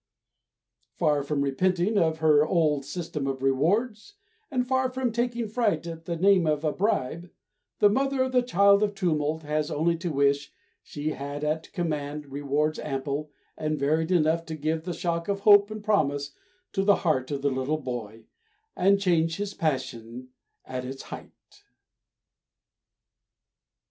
Far from repenting of her old system of rewards, and far from taking fright at the name of a bribe, the mother of the Child of Tumult has only to wish she had at command rewards ample and varied enough to give the shock of hope and promise to the heart of the little boy, and change his passion at its height.